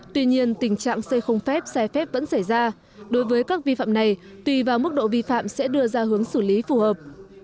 tuy nhiên tình trạng xây không phép sai phép vẫn xảy ra đối với các vi phạm này tùy vào mức độ vi phạm sẽ đưa ra hướng xử lý phù hợp